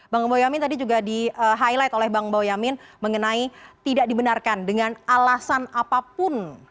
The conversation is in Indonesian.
bang boyamin tadi juga di highlight oleh bang boyamin mengenai tidak dibenarkan dengan alasan apapun